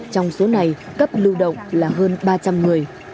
trong số này cấp lưu động là hơn ba trăm linh người